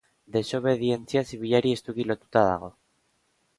Desobedientzia zibilari estuki lotua dago.